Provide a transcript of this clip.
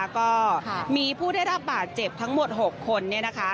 ก็มีผู้ได้รับบาดเจ็บทั้งหมด๖คน